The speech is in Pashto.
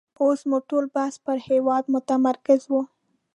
اوس مو ټول بحث پر هېواد متمرکز وو.